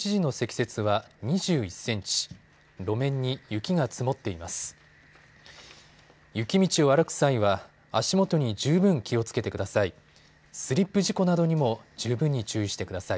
雪道を歩く際は足元に十分気をつけてください。